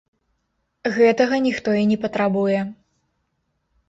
Гэтага ніхто і не патрабуе.